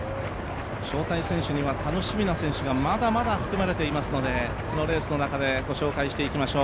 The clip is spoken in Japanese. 招待選手には楽しみな選手がまだまだ含まれていますのでこのレースの中でご紹介していきましょう。